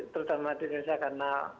terutama di indonesia karena